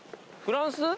フランス？